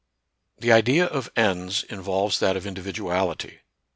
The idea of ends involves that of individuality.